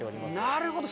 なるほど。